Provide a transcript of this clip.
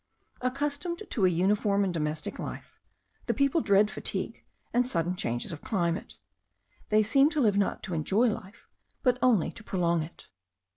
Accustomed to a uniform and domestic life, the people dread fatigue and sudden changes of climate. They seem to live not to enjoy life, but only to prolong it.